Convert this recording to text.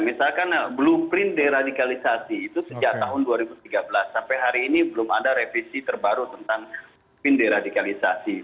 misalkan blueprint deradikalisasi itu sejak tahun dua ribu tiga belas sampai hari ini belum ada revisi terbaru tentang mungkin deradikalisasi